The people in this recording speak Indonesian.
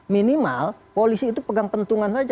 minimal polisi itu pegang pentungan saja